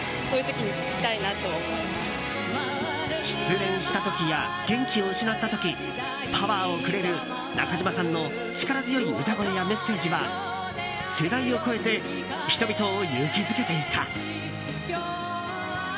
失恋した時や元気を失った時パワーをくれる中島さんの力強い歌声やメッセージは世代を超えて人々を勇気づけていた。